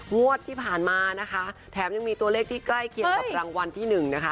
งวดที่ผ่านมานะคะแถมยังมีตัวเลขที่ใกล้เคียงกับรางวัลที่หนึ่งนะคะ